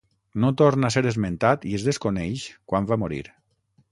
No torna a ser esmentat i es desconeix quan va morir.